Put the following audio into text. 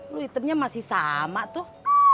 lu hitamnya masih sama tuh